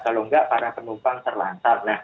kalau enggak para penumpang terlantar